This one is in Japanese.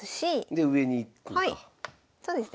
で上に行くんか。